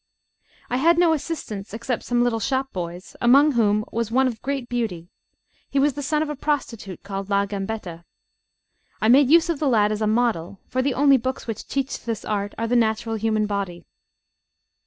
I had no assistants except some little shopboys, among whom was one of great beauty; he was the son of a prostitute called La Gambetta. I made use of the lad as a model, for the only books which teach this art are the natural human body.